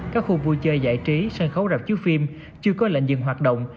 các khu vui chơi giải trí sân khấu rạp chiếu phim chưa có lệnh dừng hoạt động